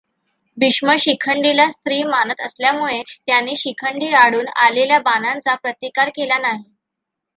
भीष्म शिखंडीला स्त्री मानत असल्यामुळे त्यांनी शिखंडीआडून आलेल्या बाणांचा प्रतिकार केला नाही.